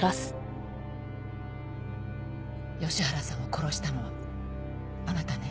吉原さんを殺したのはあなたね？